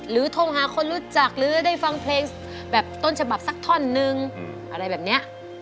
โทรหาคนรู้จักหรือได้ฟังเพลงแบบต้นฉบับสักท่อนนึงอะไรแบบนี้